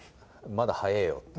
まだ早えよって。